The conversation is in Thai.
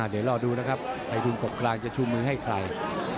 เดี๋ยวรอดูนะครับไอทุนกบกลางจะชูมือให้ใคร